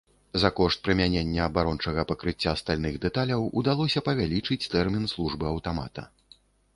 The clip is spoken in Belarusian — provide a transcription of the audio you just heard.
За кошт прымянення абарончага пакрыцця стальных дэталяў удалося павялічыць тэрмін службы аўтамата.